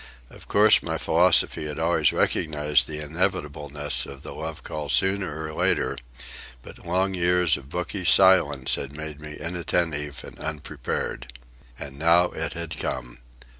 Of course, my philosophy had always recognized the inevitableness of the love call sooner or later; but long years of bookish silence had made me inattentive and unprepared. And now it had come!